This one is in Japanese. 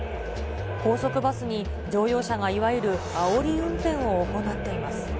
高速バスに乗用車がいわゆるあおり運転を行っています。